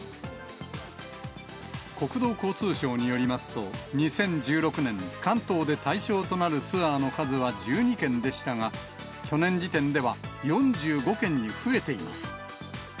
国土交通省によりますと、２０１６年、関東で対象となるツアーの数は１２件でしたが、去年時点では４５県に増えています。